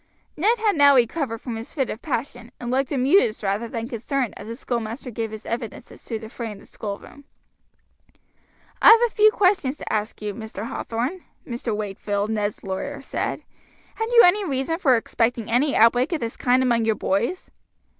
Ned had recovered now from his fit of passion, and looked amused rather than concerned as the schoolmaster gave his evidence as to the fray in the schoolroom. "I have a few questions to ask you, Mr. Hathorn," Mr. Wakefield, Ned's lawyer, said. "Had you any reason for expecting any outbreak of this kind among your boys?"